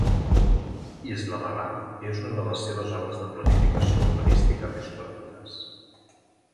Islamabad és una de les seves obres de planificació urbanística més conegudes.